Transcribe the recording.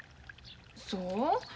そう？